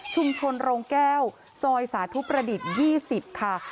โรงแก้วซอยสาธุประดิษฐ์๒๐ค่ะ